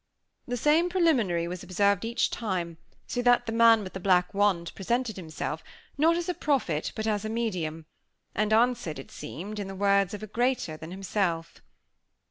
The same preliminary was observed each time, so that the man with the black wand presented himself, not as a prophet, but as a medium; and answered, as it seemed, in the words of a greater than himself.